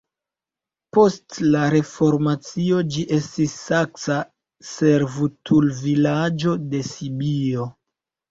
Post la reformacio ĝi estis saksa servutulvilaĝo de Sibio.